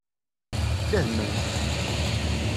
Dehmemt.